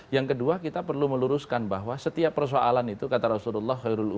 yang kedua kita perlu meluruskan bahwa setiap persoalan itu kata rasulullah